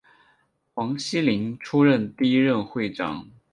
黄锡麟出任第一任会长。